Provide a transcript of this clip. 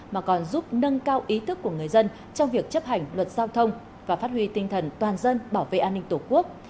mà còn giúp nâng cao ý thức của người dân trong việc chấp hành luật giao thông và phát huy tinh thần toàn dân bảo vệ an ninh tổ quốc